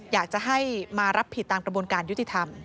อยากจะให้มารับผิดตามกระบวนการยุติธรรม